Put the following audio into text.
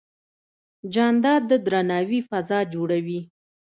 جانداد د درناوي فضا جوړوي.